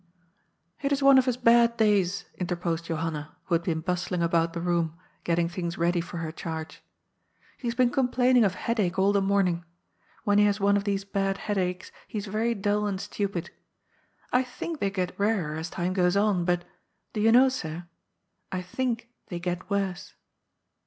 ^^ It is one of his bad days," interposed Johanna, who had been bustling about the room, getting things ready for her charge. ''He has been complaining of headache all the morning. When he has one of these bad headaches, he is very dull and stupid. I think they get rarer, as time goes on, but — do you know, sir ?— ^I think they get worse."